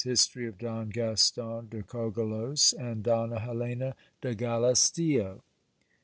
— History of Don Gaston de Cogollos and Donna Helena de Galisteo.